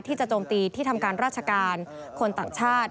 โจมตีที่ทำการราชการคนต่างชาติ